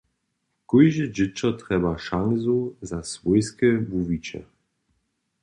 Kóžde dźěćo trjeba šansu za swójske wuwiće.